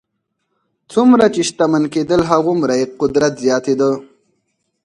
څومره چې شتمن کېدل هغومره یې قدرت زیاتېده.